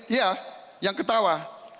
iya yang ketawa